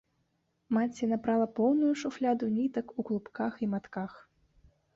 Маці напрала поўную шуфляду нітак у клубках і матках.